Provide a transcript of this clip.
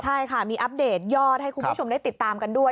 ใช่ค่ะมีอัปเดตยอดให้คุณผู้ชมได้ติดตามกันด้วย